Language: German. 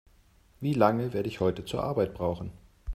Wie lange werde ich heute zur Arbeit brauchen?